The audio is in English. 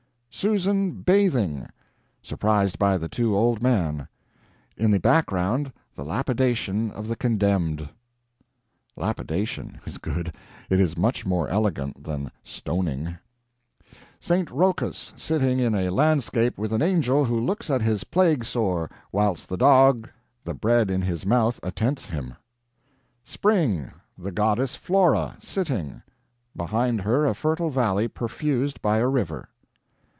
"Susan bathing, surprised by the two old man. In the background the lapidation of the condemned." ("Lapidation" is good; it is much more elegant than "stoning.") "St. Rochus sitting in a landscape with an angel who looks at his plague sore, whilst the dog the bread in his mouth attents him." "Spring. The Goddess Flora, sitting. Behind her a fertile valley perfused by a river."